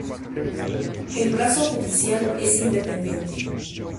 El brazo judicial es independiente.